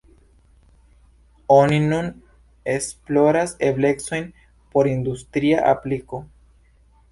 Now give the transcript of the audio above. Oni nun esploras eblecojn por industria apliko.